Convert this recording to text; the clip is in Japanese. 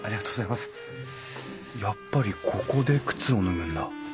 やっぱりここで靴を脱ぐんだ。